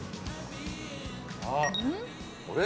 あっあれ？